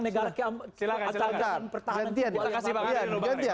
kita kasih pak rai dulu pak rai